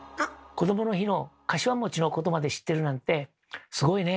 こどもの日のかしわのことまで知ってるなんてすごいね。